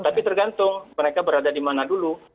tapi tergantung mereka berada di mana dulu